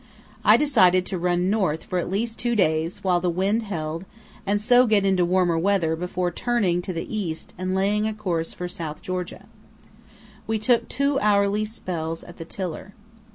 I decided to run north for at least two days while the wind held and so get into warmer weather before turning to the east and laying a course for South Georgia. We took two hourly spells at the tiller.